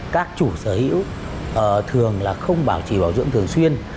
các chủ sở hữu thường là không chỉ bảo dưỡng thường xuyên